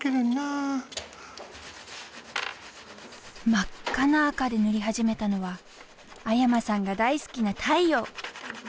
真っ赤な赤で塗り始めたのは阿山さんが大好きな太陽。